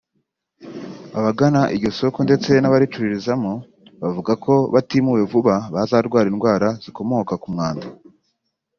Abagana iryo soko ndetse n’abaricuruzamo bavuga ko batimuwe vuba bazarwara indwara zikomoka ku mwanda